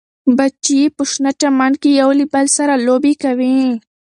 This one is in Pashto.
بچي یې په شنه چمن کې یو له بل سره لوبې کوي.